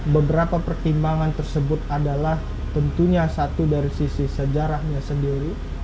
beberapa pertimbangan tersebut adalah tentunya satu dari sisi sejarahnya sendiri